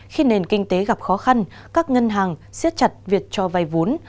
khi nền kinh tế gặp khó khăn các ngân hàng siết chặt việc cho vay vốn